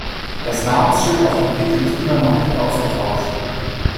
Das Namensschild auf dem Kittel ist immer noch nicht ausgetauscht.